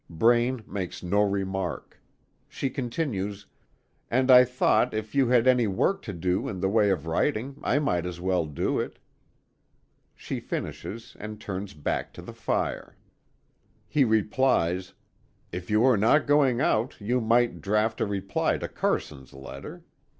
Braine makes no remark. She continues; "And I thought if you had any work to do in the way of writing, I might as well do it." She finishes, and turns back to the fire. He replies: "If you are not going out, you might draft a reply to Carson's letter.